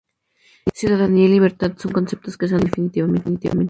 Ciudadanía y libertad son conceptos que se han devaluado definitivamente.